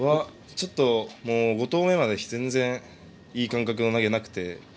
ちょっと、５投目まで全然いい感覚の投げがなくて。